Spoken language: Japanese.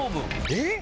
えっ？